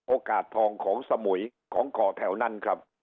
โอกาสทองของสมุยของก่อแถวนั้นครับ